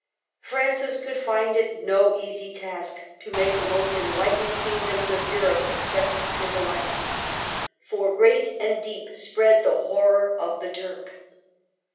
Francis would find it no easy task to make the most enlightened king doms of Europe accept his alliance. 158 MARGARET OF ANGOULEME. For great and deep spread the horror of the Turk.